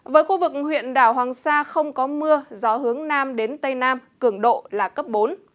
với khu vực huyện đảo hoàng sa không có mưa gió hướng nam đến tây nam cường độ là cấp bốn